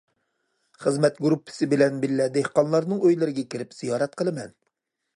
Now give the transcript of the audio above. خىزمەت گۇرۇپپىسى بىلەن بىللە دېھقانلارنىڭ ئۆيلىرىگە كىرىپ زىيارەت قىلىمەن.